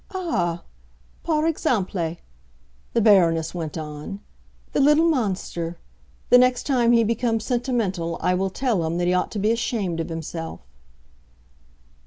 "Ah, par exemple!" the Baroness went on. "The little monster! The next time he becomes sentimental I will him tell that he ought to be ashamed of himself."